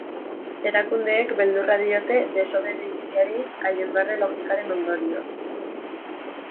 Erakundeek beldurra diote desobeditzeari, haien barne logikaren ondorioz.